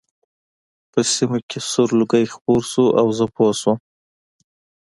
په سیمه کې سور لوګی خپور شو او زه پوه شوم